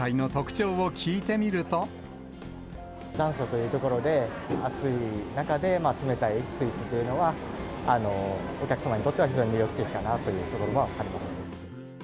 残暑というところで、暑い中で、冷たいスイーツというのは、お客様にとっては非常に魅力的かなというところもあります。